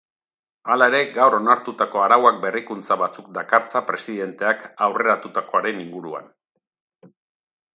Halere, gaur onartutako arauak berrikuntza batzuk dakartza presidenteak aurreratutakoaren inguruan.